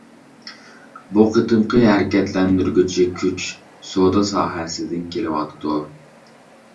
بۇ قېتىمقى ھەرىكەتلەندۈرگۈچى كۈچ سودا ساھەسىدىن كېلىۋاتىدۇ.